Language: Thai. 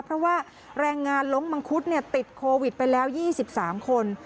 เพราะว่าแรงงานลงมังคุดเนี่ยติดโควิดป่ะแล้ว๒๓คน